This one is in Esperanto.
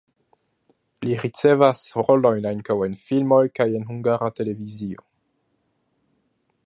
Li ricevas rolojn ankaŭ en filmoj kaj en Hungara Televizio.